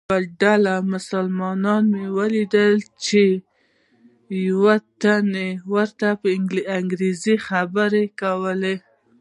یوه ډله مسلمانان مې ولیدل چې یوه تن ورته په انګریزي خبرې کولې.